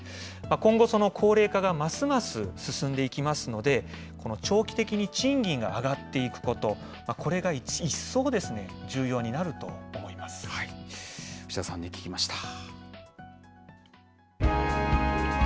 今後、高齢化がますます進んでいきますので、長期的に賃金が上がっていくこと、これが一層、牛田さんに聞きました。